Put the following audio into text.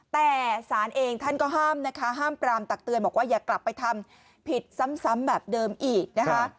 แต่สารเองท่านก็ห้ามนะคะห้ามปรามตักเตือนบอกว่าอย่ากลับไปทำผิดซ้ำแบบเดิมอีกนะคะ